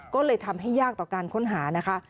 ก็เลยทำให้ยากต่อการค้นหานะคะ